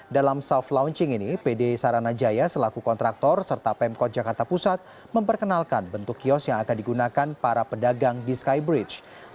dalam self launching ini pd saranajaya selaku kontraktor serta pemkot jakarta pusat memperkenalkan bentuk kios yang akan digunakan para pedagang di skybridge